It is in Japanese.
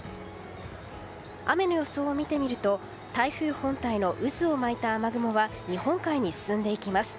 雨の予想を見てみると台風本体の渦を巻いた雨雲は日本海に進んでいきます。